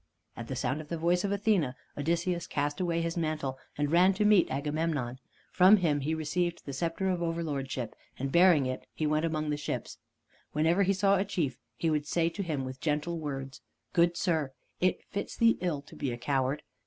At the sound of the voice of Athene, Odysseus cast away his mantle and ran to meet Agamemnon. From him he received the scepter of overlordship, and bearing it he went among the ships. Whenever he saw a chief, he would say to him with gentle words: "Good sir, it fits thee ill to be a coward.